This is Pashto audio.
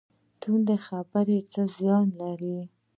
تندې خبرې څه زیان لري؟